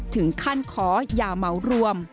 ถึงขั้นขออย่าเหมารวม